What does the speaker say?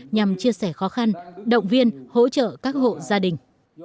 nhằm chia sẻ khó khăn động viên hỗ trợ các hộ gia đình